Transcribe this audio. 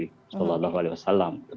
assalamualaikum warahmatullahi wabarakatuh